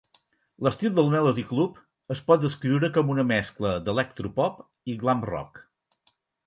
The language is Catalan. L'estil del Melody Club es pot descriure com una mescla d'electropop i glam rock.